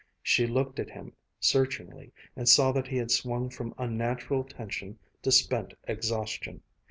She looked at him searchingly, and saw that he had swung from unnatural tension to spent exhaustion.